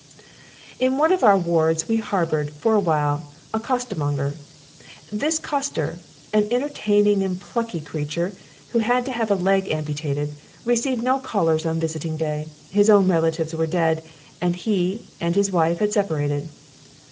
In one of our wards we harboured, for a while, a costermonger. This coster, an entertaining and plucky creature who had to have a leg amputated, received no callers on visiting day: his own relatives were dead and he and his wife had separated.